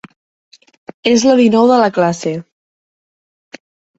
És la dinou de la classe.